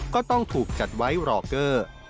ก็ต้องถูกจัดไว้รอเกอร์